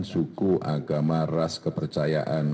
suku agama ras kepercayaan